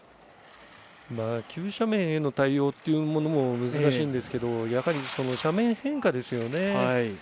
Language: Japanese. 急斜面への対応っていうものも難しいんですけどやはり斜面変化ですよね。